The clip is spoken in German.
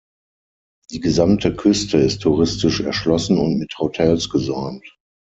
Die gesamte Küste ist touristisch erschlossen und mit Hotels gesäumt.